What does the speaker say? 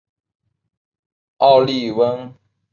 奥里翁。